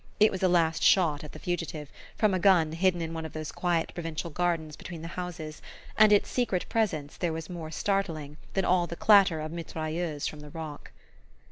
It was a last shot at the fugitive, from a gun hidden in one of those quiet provincial gardens between the houses; and its secret presence there was more startling than all the clatter of mitrailleuses from the rock.